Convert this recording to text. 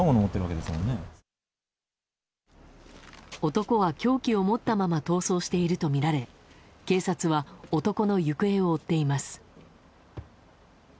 男は凶器を持ったまま逃走しているとみられ警察は男の行方を追っています。